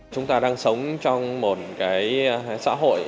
chúng ta đang sống trong một xã hội